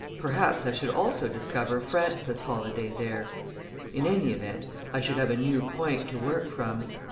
Perhaps I should also discover Frances Holladay there. In any event, I should have a new point to work from.